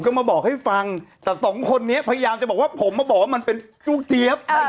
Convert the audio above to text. ก็มาบอกให้ฟังแต่สองคนนี้พยายามจะบอกว่าผมมาบอกว่ามันเป็นลูกเจี๊ยบ